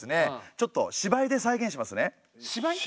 ちょっと芝居で再現しますね。